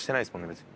別に。